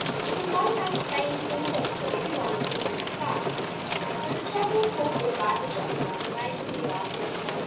There was no time to say anything more, for everyone was eager to start. So the travellers called good by to Jolly, while he waved a farewell to them.